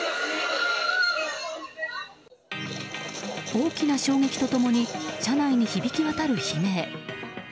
大きな衝撃と共に車内に響き渡る悲鳴。